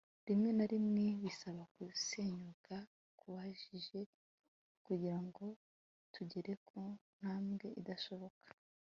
rimwe na rimwe bisaba gusenyuka gukabije kugira ngo tugere ku ntambwe idashoboka